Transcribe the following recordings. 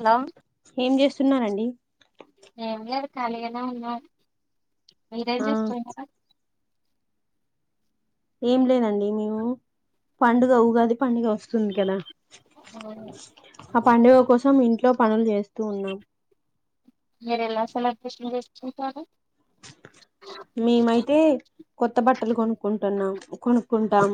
Hello ఏం చేస్తున్నారండి కాలిగానే ఉన్నండి మీరేం ఆ చేస్తున్నారు ఏం లేదండి మేము పండుగ ఉగాది పండుగ వస్తుంది కదా ఆ పండుగ కోసం ఇంట్ ట్లో పనులు చేస్తూ ఉన్నాం మీరు ఎలా సెలబ్రేషన్ చేస్తుకుంటారు మేమైతే కొత్త బట్టలు కొనుక్కుంటున్నాం కొను కుంటాం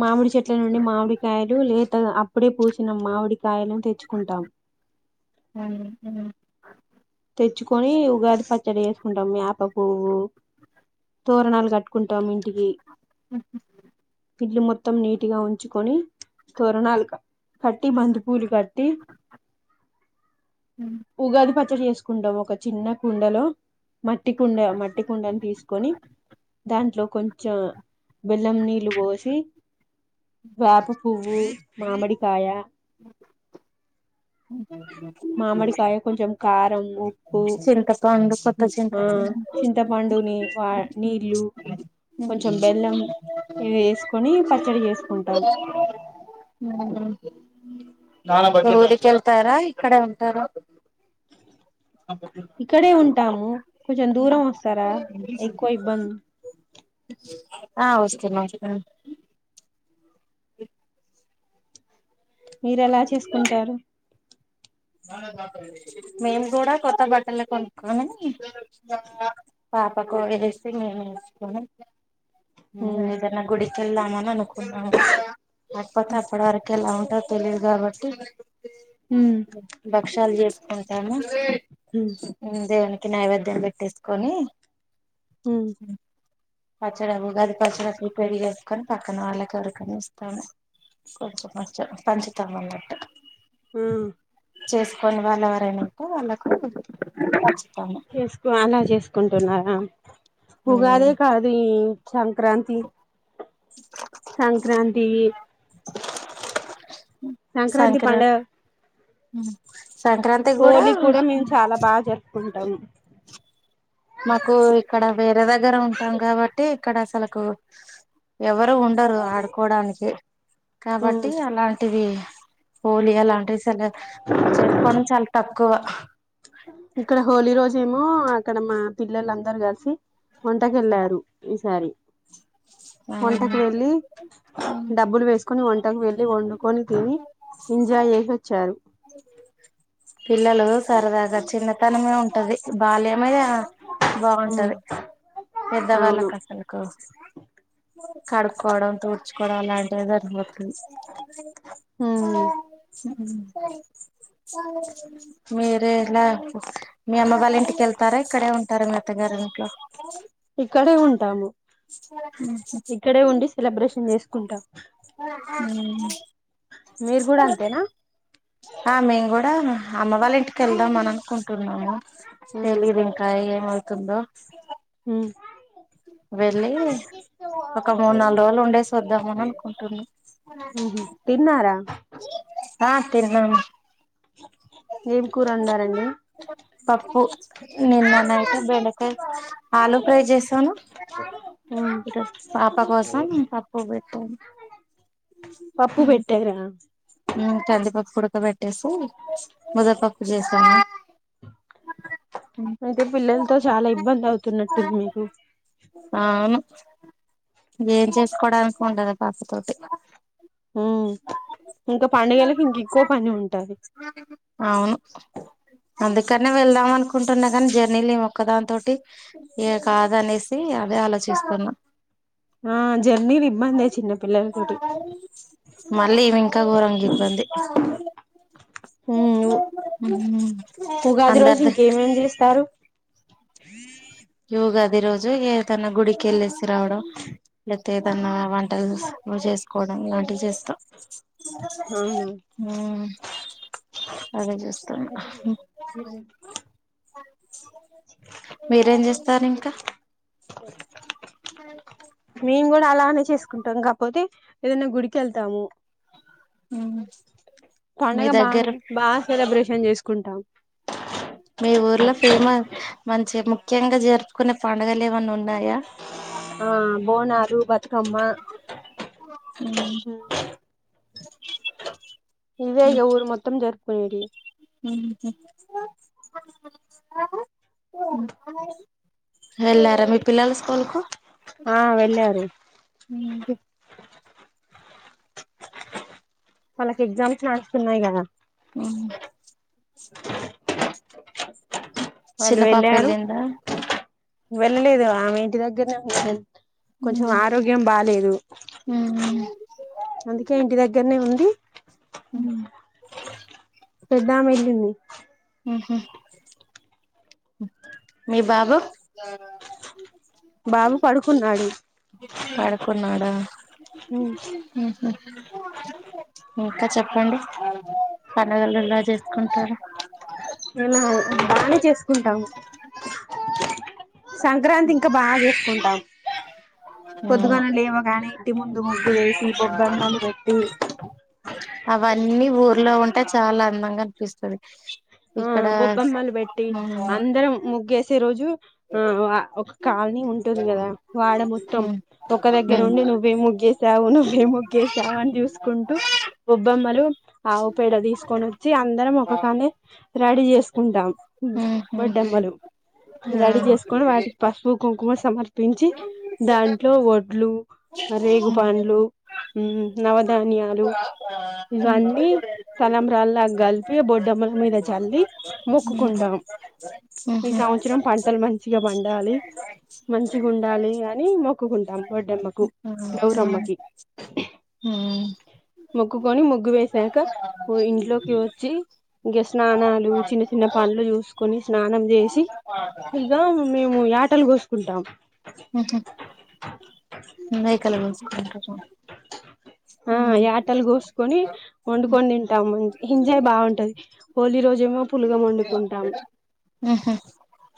మాముడి చెట్ల నుండి మామిడికాయలు లేత అప్పుడే పూసిన మామిడికి యలను తెచ్చుకుంటాం తెచ్చుకొని పోహ తోరనాలు కట్ కుంటాం ఇంటికి ఇల్లు మొత్తం మొత్తం నీటు గా ఉంచుకొని తోరణాలు కట్టి బంతి పూలు కట్టి ఉగాది ప చేస్కొని కుండ ఒక చిన్న కుండలో మట్టి కుండ మట్టి కుండను తీసుకొని దాంట్లో కొంచెం బెల్లం నీళ్ళు పోసి వేపు పువ్వు మామిడి కాయ అ మామిడి కాయ కొంచెం కారం ఉప్పు చింతపండు కొత్త ఆ చింతపండు చింతపండుని వా నీళ్లు కొంచెం బెల్లం వేసుకొని పచ్చడి చేసుకుంటాం నా కెళ్తారా ఇక్కడే ఉంటారు ఇక్కడే ఉంటాము కొంచెం దూరం వస్తారా ఎక్కువ ఇబ్బంది ఆ వస్తున వస్తున మీరు ఎలా చేసుకుంటారు మేము కూడా కొత్త బట్టలు కొనుకుమని పాపకు వేసి మేము వేసుకుని ఉమ్ ఇదన్న గుడికిళ్ల్దామని అనుకున్నావు అకపోతే అప్పడ వరకెలా ఉ అ తెలియదు కాబట్టి హమ్ భక్ష్యాాలు చేసుకుంటాము ఉమ్ దేవునికి నైవేద్యం పెట్టేసుకొని హ అ ఉగాది పచ్చడి ప్రిపేర్ చేసుకో క్కని పక్కన వాళ్ళ కరకని ఇస్తాము కొంచెం కొం పంచుతాం అన్నట్టు ఆ చేసుకొని వాళ్ళు ఎవరైనాంటే వాళ్ళకు చేసుకో అలా చేసుకుంటున్నారా ఉగాదే కాది సం సంక్రాంతి ఇ సంక్రాంతి సంక్రాంతి పండగ ఉ హోలీ కూడా మేము చాలా బాగా జరుపుకున్ కుం మాకు ఇక్కడ వే దగర దగ్గర ఉంటాం కాబట్టి ఇక్కడ అసలకు ఎవరు ఆ ఉండరు ఆడుకోవడానికి ఉమ్ కాబట్టి అలాంటివి హోలి ఎలా అంటే సగ చేసుకోవడం చాలా త కువ ఇక్కడ హోలీ రోజేమో అక్కడ మా పిల్లలు అందరు కలిసి వంటకి వెళ్ళారు ఈసారి వంటకు అవును వెళ్ళి ఉమ్ డబ్బులు వేసు కొని వన్ టలు పెళ్లి వండుకొని తిని ఎంజాయ్ చేసి వచ్చారు పిల్లలు సరదాగా చిన్నతనమే ఉంటది బాల్యమేగా ఉమ్ బాగుంటది అవును పెద్దవాళ్ళకు అసలకు కడుక్కోవడం తుడ్చుకోవడం అలాంటివి సరిపో ఉమ్ స మీరే ఇలా మీ అమ్మ వాళ్ళ ఇంటికెళ్తారా ఇక్కడే ఉంటారు మీ అత్తగారి ఇంట్లో ఇక్కడే ఉంటాము ఇక్కడే ఉండి సెలబ్రేషన్ చేసుకుంటాం ఉ మీరు కూడా అంతేనా ఆ మేము కూడా అమ్మ వాళ్ళ ఇంటికి వెళ్దాం అని అనుకుంటున్నాము ఉమ్ తెలీదు ఇంకా ఏమవుతుందో ఉ వెళ్ళి ఒక మూన్ నాల్ రోజులు ఉండేసోద్దామనీ అనుకుంటున ఉహు తిన్నారా ఆ తిన్నాను ఏం కూర వండారండి పప్పు నిన్న నైట్ బెండకాయ ఆలు ఫ్రై చేశాను పాప కోసం పప్పు పెట్టాను పప్పు పెట్టారా కందిపప్పు ఉడక బెట్టేసి ముదపప్పు చేశాను ఐతే పిల్లలతో చాలా ఇబ్బంది అవుతున్నట్టుంది మీకు ఎమ్ చేసుకోడానికి ఉండదు పాపతోటి ఇంక పండగలకి ఇంక ఎక్కువ పని ఉంటది అవును అందుకనే వెళ్దాం అనుకుంటున్నా కానీ జర్నీలో ఈమె ఒక్కదాని తోటి ఈ కాద అనేసి అదే ఆలోచిస్తున్నా ఆ జర్నీ ఇబందే చిన్న పిల్లలతోటి గోరంగా ఇబంది ఉమ్ ఉగాది రోజు అందరిదీ ఇంకేమేం చేస్తారు యుగాది రోజు ఏదన్నా గుడికెళ్ళేసి రావడం లెప్తే ఏదన్నా వంటల్స్ ను చేసుకోడం ఇలాంటివి చేస్తా అవునా, అదే చూస్తున్న మీరేం సరి ఇంకా మేము కూడా అలానే చేసుకుంటాం గాపోతే ఏదన్న గుడికేళ్తాము ఉమ్ మీ పండగ దగ్గర బానే బా సెలబ్రేషన్ చేసుకుంటాం మీ ఊర్లో ఫేమ మంచి ముఖ్యంగా జరుపుకునే పండగలేమనా ఉన్నాయా బోనాలు బతుకమ్మ ఇవే ఇగ ఊరు మొత్తం జరుపు పోయి ఇల్లు హేలర్ మీ పిల్లల స్కూల్ కు ఆ వెళ్ళారు వాళ్ళకి ఎగ్జామ్స్ నడుస్తున్నాయి గదా అ వాళ్ళు చిన్న పాప వెళ్ళారు ఏళ్లిందా వెళ్ళలేదు ఆమె ఇంటి దగ్గరనే ఉంది కొంచెం ఉమ్ ఆరోగ్యం బాలేదు ఉమ్ అందుకే ఇంటి దగ్గరనే ఉంది ఉమ్ పెద్దామె ఎల్లింది హు హుమ్ మీ బాబు బాబు పడుకున్నాడు పడుకున్నాడా ఇంకా చెప్పండి పండగలు ఎలా చేసుకుంటారు అలా బానే చేసుకుంటాము సంక్రాంతి ఇంకా బాగా చేసుకున్ ఆ అవును పొద్దుగానే లేవగానే ఇంటి ముందు ముగ్గులేసి బొబ్బెమ్మలు పెట్టి అవన్నీ ఊర్లో ఉంటే చాలా అందంగా అనిపిస్తది ఆ ఇక్కడ బొబ్బమ్మలు పెట్టి అవును అందరం ముగ్గేసి రోజు ఆ ఒక కానీ ఉంటుంది గదా వాడ మొత్తం ఉమ్ ఒక దగ్గర ఉమ్ ఉండి నువ్వే ముగ్గేసావు నువ్వేం ముగ్గేసావు అని చూసుకుంటూ బొబ్బమ్మలు ఆవు పేడ తీసుకొని వచ్చి అందరం ఒకకానే రెడీ చేసుకుంటాం ఉహు బొడ్డమ్మలు ఆ రెడీ చేసుకొని వాటికి పసుపు కుంకుమ సమర్పించి దాంట్లో వడ్లు రేగుపండ్లు నవధాన్యాలు ఉమ్ ఉమ్ ఇవన్నీ తలంబ్రాలా కలిపి బొడ్డమ్మలు మీద చల్లి మొక్కుకుంటాం ఈ ఉహు సంవత్సరం పంటలు మంచిగా పం ఉండాలి మంచిగా ఉండాలి అని మొక్కుకుంటాం బొడ్డమ్మకు ఉమ్ గౌరమ్మకి ఉమ్ మొక్కుకొని ముగ్గు వేసాక ఇంట్లోకి వచ్చి ఇంగ స్నానాలు చిన్న చిన్న పనులు చూసుకొని స్నానం చేసి ఇగా మేము యాటలు కోసుకుంటాం ఉహు మేకలు కోసుకుంటారు ఆ యాటలు కోసుకొని వండుకొని తింటాము ఎంజాయ్ బాగుంటుంది హోలీ రోజు ఏమో పులగం వండుకుంటాం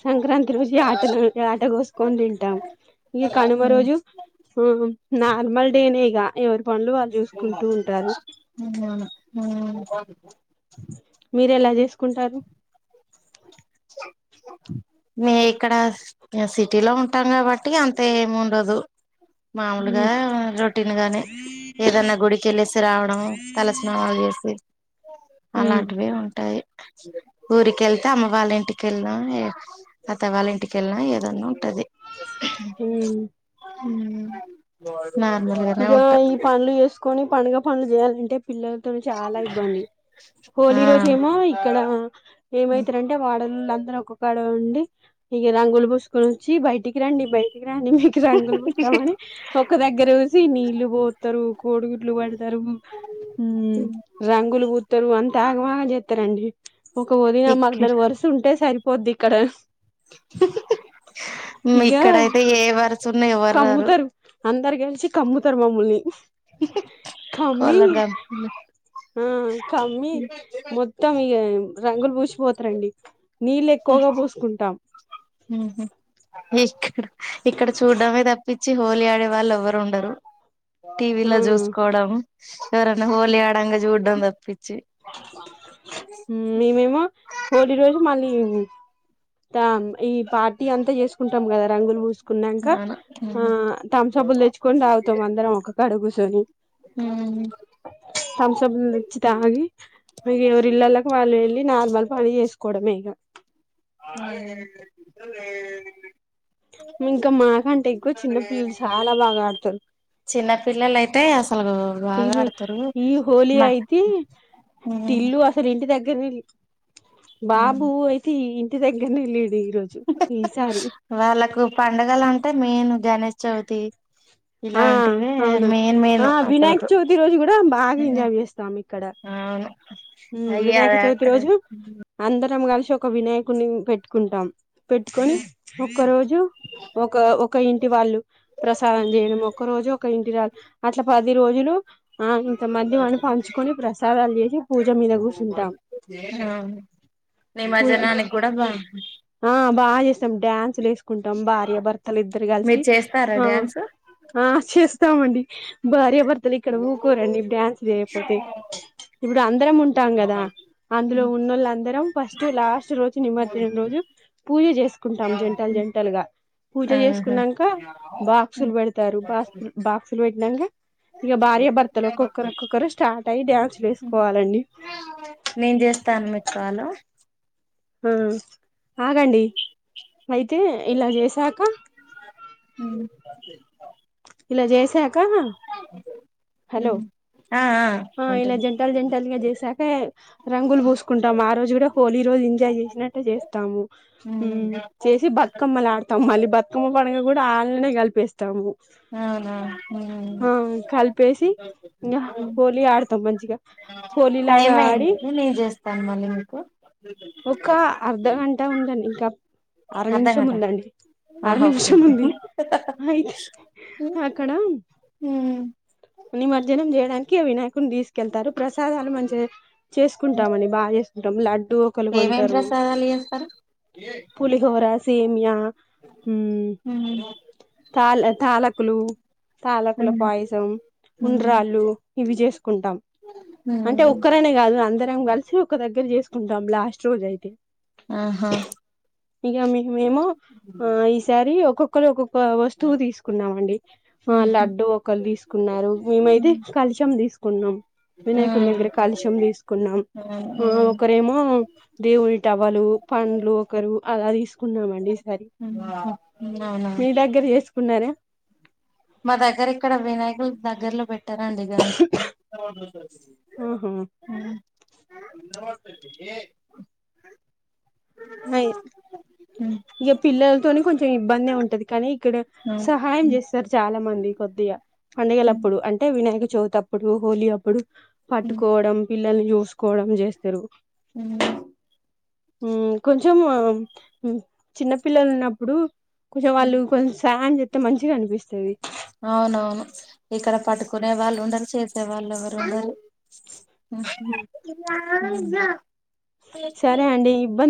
సంక్రాంతి రోజు యాటలు యాట గోసుకొని తింటాం ఇక కనుమ రోజు మీ ఆ నార్మల్ డేనే ఇగ ఎవర్ హుమ్ మీరేలా జెస్ కుంటారు మే ఇక్కడ సిటీ లో ఉంటాం కాబట్టి అంత ఏమి ఉండదు మామూలుగా రొటీన్ గానే ఏదన్నా గుడికెల్లెసి రావడం తలస్నానాలు చేసి అలాంటివే ఉంటాయి ఊరికెల్తా అమ్మ వాళ్ళ ఇంటికెళ్ళినా అత్త వాళ్ళ ఇంటికెళ్ళినా ఏదన్నా ఉంటది ఊ మ్ బాయ్ ఇగ ఈ పన్లు చేసుకొని పండుగ పనులు చేయాలంటే పిల్లలతోనే చాలా ఇబ్బంది ఆ హోలీ రోజేమో ఇక్కడ ఏమైతారంటే వాడ పక్కన ఒక్కకాడ ఉండి, ఇగ రంగులు బుస్కొని అచ్చి బయటికి రండి బయట్ బయటికి రండి మీకు రంగులు పూస్తామని ఒక్క దగ్గర నీల్లు బోత్తర్ కోడుగుడ్లు వ రు మ్ రంగులు పుత్తరు, అంత ఆగమాగం జెత్తరండి, ఒక వదిన ఇక్క మరదలు వరుస ఉంటే సరి పొద్దిక్కడ మ్ ఇక్కడయితే ఏ వర్ కమ్ముతారు అందరికి ఎల్సి కమ్ముతరు మమ్ముల్ని కమ్మి కోళ్ళం కంపెనీలు ఆ కమ్మి మొత్తం ఇగ రంగులు పూసిపోతరండి నీళ్ళు ఎక్కువగా పూసుకుంటాం ఉ ఊహ్ వేస్ట్ ఇక్కడ చూడ్డమే దప్పి చ్చి హోలీ ఆడే వాళ్ళు ఎవ్వరు ఉండరు టీవీ ఆ లో చూసుకోవడం ఎవరన్నా హోళి ఆడంగా జూడ్ తం దప్పి మ్ ఈమేమో హోళి రోజు మళ్లి ఉ త ఈ పార్టీ అంతా చేసుకుంటాం కదా రంగులు వూసు కున్నంక అవును ఆ తంసప్లు తెచ్చుకొని తాగుతం అందరం ఒక కడుగుసుొని తంసప్ లు తెచ్చి తాగి మి ఎవరి ఇల్లాలకు వెళ్లి నార్మల్ పని వెసుకోవడమేగా మ్మ్ ఇంక మాకంటే ఎక్కువ చిన్న పిల్లలు చాల బాగా ఆడుతరు. చిన్న పిల్లలు అయితే అసలు ఈ బాగా రో ఆడతారు ఈ హోళీ మా అయితే టిల్లు అసలు ఇంటి దగ్గ ర్నే బాబూ అయితే ఇంటి దగ్గర్నే లేడ్ వాళ్ళకు పండుగలం టే మెయిన్ గణష్ చౌతి ఆ అవును ఆ వినాయక అసలుకు చవితి రోజు కూడా బాగా ఎంజాయ్ చేస్తాం ఇక్కడ. అవును హ్మ్ అయ్య అద వినాయక చవితి అక్కడ రోజు అంద రం కలిసి ఒక వినాయకుని పెట్టుకుంటాం. పెట్టుకొని ఒక్క రోజు ఒక ఒక్క ఇంటి వాళ్ళు ప్రసాదం చేయడం జోక ఇంటిరా అట్ల పది రోజులు ఆ ఇంక మధ్యవన్ని పంచుకొని ప్రసాదాలు చేసి పూజ మీద కూర్చుంటాం. అవును పుల్ నిమజ్జనానికి కూడా బా ఆ బాగా చేస్తం డ్యాన్స్ లేస్ కుంటాం భార్యభర్తలు ఇద్దరు కలిసి మీరు చేస్తారా ఆ డ్యాన్స్ ఆ చేస్తామండి. భార్యభర్తలు ఇక్కడ ఊకోరండి డ్యాన్స్ చేయపోతే ఇప్పుడ్ అందరం ఉంటాం కదా అందులో ఉన్నోళ్ళు అందరం ఫస్ట్ లాస్ట్ రోజు నిమర్జనం రోజు పూజ చేసుకుంటాం జంటల్ జంటలుగా పూజ ఆహా చేసుకునంక బాక్సులు పెడతారు బాక్సు బాక్సులు పెట్టినంక ఇంగ భార్య భర్తలు ఒక్కొక్కరు ఒక్కొక్కరు స్టార్ట్ అయ్యి డ్యాన్సులు వేసుకోవాలండి. తాన్న కాలం మ్మ్ ఆగండి అయితే ఇలా చేశాక ఇలా జేసా క హలో ఆ ఆ ఇలా వింటున్న జంటలు జంటలుగా చేసాకే రంగులు పూసుకుంటాం, ఆ రోజు కూడా హోళీ రోజు ఎంజాయ్ చేసినట్ట చేస్తాము. మ్మ్ చేసి బతుకమ్మలు ఆడుతాం మళ్ళీ బతుకమ్మ పండుగ కూడా ఆళ్ళనే కలిపే తము అవునా మ్మ్ కలిపేసి ఇంగ హోలీ ఆడతాం మంచిగా హోలీ టైం లాగా ఆడి అయింది నేను చేస్ తనవల్ల నీకు ఒక అర్ధగంట ఉందండిఇంకా, అర అర్ధం నిమిషం గట ఉందండి, అర ఆహా ఓకే నిమిషం ఉంది. అయితే అక్కడ నిమజ్జనం చేయడానికి వినయకుని తిస్ కేళ్తారు ప్రసాదాలు మంచిగా చేసుకుంటామని బాగా, చేసుకు టం లడ్డూ ఏమేమి ప్రసాదాలు చేస్తారు పులిహోర సేమియా తాల్ తాల కులు తాలకుల పాయసం ఉండ్రాలు ఇవి చేసుకుంటాం. అంటే ఒక్కరనే కాదు అందరం కలిసి ఒక దగ్గర చేసుకుంటాం. లాస్ అయితే, ఆహా ఇగ మీకు మేము ది ఒక్కొక్క లు ఒకొకక్కో వస్తువు తీసుకున్నాం అండి. ఆ లడ్డు ఒకరు తీసుకున్నారు మేమైతే కలుషం తీసుకున్నాం. వినాయకుని దగ్గర కలుషం తీసుకున్నాం. ఆ అవునా ఒకరేమో, దేవుని టవలు, పండ్లు ఒకరు అలా తీసుకున్నామండి. ఈసారి అవునా మీ దగ్గర [unintelligible] చేసుకున్నారా మా దగ్గర ఇక్కడ వినాయకులు దగ్గర్లో పెట్టనండి. గణేష్ ని ఆహా అ ఎ మే ఎప్పు పిల్లలతోనే కొంచెం ఇబ్బంది గా ఉంటది కానీ, ఇక్కడ సహాయం చేస్తారు. చాలా మంది కొద్దిగా పండుగలప్పుడు అంటే వినాయక చవితి అప్పుడు, హోలీ అప్పుడు పట్టుకోవడం పిల్ల పిల్లల్ని చూసుకోవడం చేస్తారు ఆ కొంచెం చిన్నపిల్లలు ఉన్నప్పుడు కుస వాళ్లు కొంచ్యాంట డ్ అయితే మంచిగా అనిపిస్తది అవునవును. ఇక్కడ పట్టుకునే వాళ్ళు ఉండరు, చేసే వాళ్ళు ఎవరు ఉండరు. [unintelligible] రా సరే అండి ఇబ్బంది